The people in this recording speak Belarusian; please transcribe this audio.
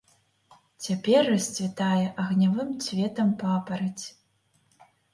Цяпер расцвітае агнёвым цветам папараць.